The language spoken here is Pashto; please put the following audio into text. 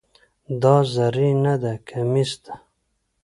دا زری نده، کمیس ده.